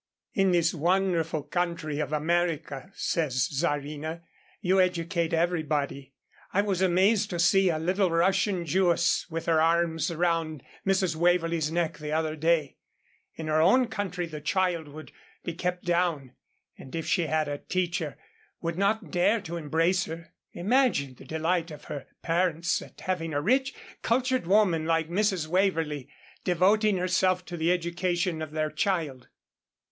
"In this wonderful country of America," says Czarina, "you educate everybody. I was amazed to see a little Russian Jewess with her arms round Mrs. Waverlee's neck the other day. In her own country, the child would be kept down, and if she had a teacher, would not dare to embrace her. Imagine the delight of her parents, at having a rich, cultured woman like Mrs. Waverlee devoting herself to the education of their child."